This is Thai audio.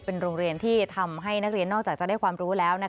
เป็นโรงเรียนที่ทำให้นักเรียนนอกจากจะได้ความรู้แล้ว